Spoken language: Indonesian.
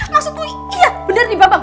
maksudku iya bener nih bambang